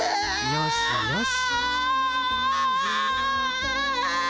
よしよし。